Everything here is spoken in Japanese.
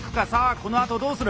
このあとどうする？